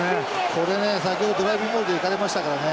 これね先ほどドライビングモールでいかれましたからね。